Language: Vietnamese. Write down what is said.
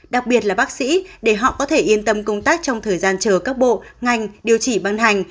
đặc biệt là bác sĩ để họ có thể yên tâm công tác trong thời gian chờ các bộ ngành điều chỉ ban hành